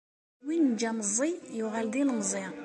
Win neǧǧa meẓẓi, yuɣal d ilemẓi.